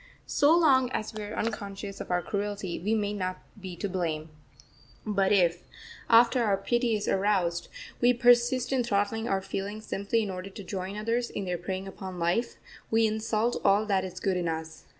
So long as we are unconscious of our cruelty we may not be to blame. But if, after our pity is aroused, we persist in throttling our feelings simply in order to join others in their preying upon life, we insult all that is good in us.